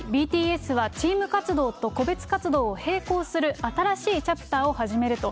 ＢＴＳはチーム活動と個別活動を並行する新しいチャプターを始めると。